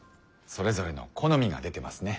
それぞれの好みが出てますね。